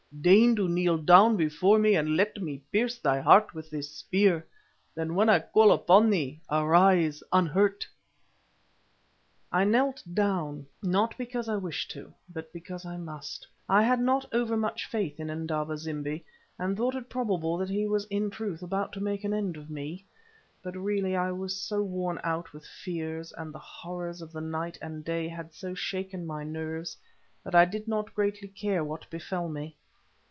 Deign to kneel down before me and let me pierce thy heart with this spear, then when I call upon thee, arise unhurt." I knelt down, not because I wished to, but because I must. I had not overmuch faith in Indaba zimbi, and thought it probable that he was in truth about to make an end of me. But really I was so worn out with fears, and the horrors of the night and day had so shaken my nerves, that I did not greatly care what befell me.